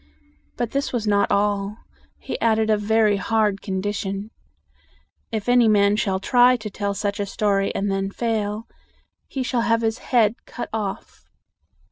But this was not all. He added a very hard con di tion. "If any man shall try to tell such a story and then fail, he shall have his head cut off."